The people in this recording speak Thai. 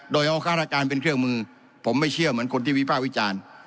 โดยเอาฆาตการเป็นเครื่องมือผมไม่เชื่อเหมือนคนที่วิภาควิจารณ์